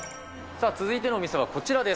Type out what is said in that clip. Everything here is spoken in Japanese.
続いてのお店はこちらです。